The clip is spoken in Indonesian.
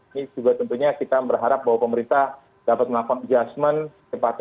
ini juga tentunya kita berharap bahwa pemerintah dapat melakukan adjustment secepatnya